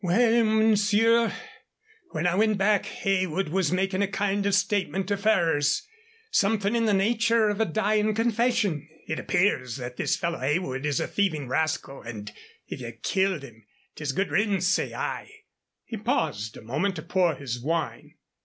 "Well, monsieur, when I went back, Heywood was making a kind of statement to Ferrers something in the nature of a dying confession. It appears that this fellow Heywood is a thieving rascal, and if ye've killed him 'tis good riddance, say I." He paused a moment to pour his wine.